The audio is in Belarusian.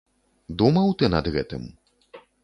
Думаў ты над гэтым?